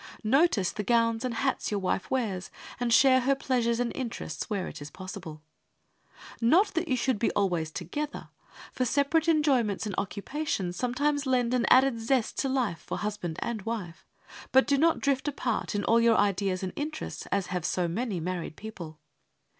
Notice the gowns and hats your wife wears, and share her pleasures and interests when it is possible. Not that you should always be together, for separate enjoyments and occupations sometimes lend an added zest to life for husband and wife, but do not drift apart in all your ideas and interests, as have so many married people.